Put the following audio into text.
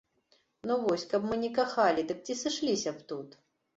Ну вось, каб мы не кахалі, дык ці сышліся б тут?